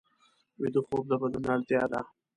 ویده خوب د بدن اړتیا ده